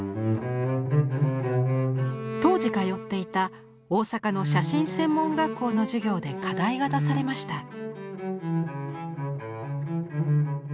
当時通っていた大阪の写真専門学校の授業で課題が出されました。